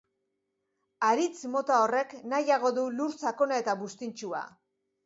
Haritz mota horrek nahiago du lur sakona eta buztintsua.